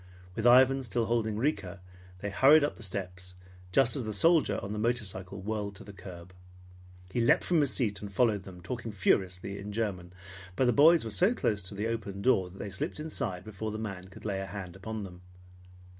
With Ivan still holding Rika, they hurried up the steps just as the soldier on the motorcycle whirled to the curb. He leaped from his seat and followed them, talking furiously in German, but the boys were so close to the open door that they slipped inside before the man could lay a hand on them.